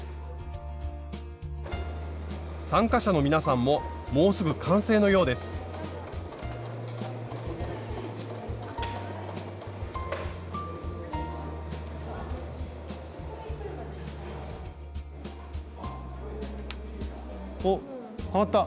参加者の皆さんももうすぐ完成のようですおっはまった。